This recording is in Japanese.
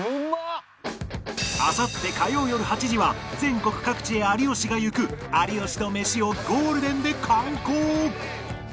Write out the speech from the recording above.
あさって火曜よる８時は全国各地へ有吉が行く有吉とメシをゴールデンで敢行